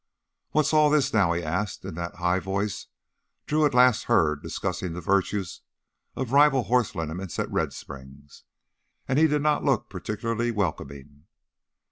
"What's all this now?" he asked in that high voice Drew had last heard discussing the virtues of rival horse liniments at Red Springs. And he did not look particularly welcoming.